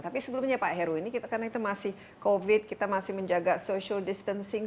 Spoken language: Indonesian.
tapi sebelumnya pak heru ini karena kita masih covid kita masih menjaga social distancing